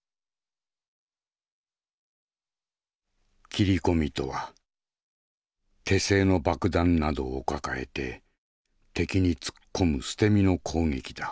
斬り込みとは手製の爆弾などを抱えて敵に突っ込む捨て身の攻撃だ。